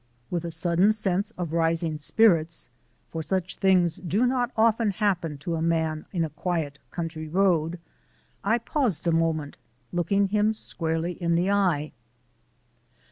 With a sudden sense of rising spirits for such things do not often happen to a man in a quiet country road I paused a moment, looking him square in the eye.